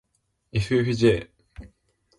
ｆｆｊ